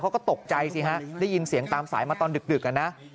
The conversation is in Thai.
เขาก็ตกใจสิฮะได้ยินเสียงตามสายมาตอนดึกนะ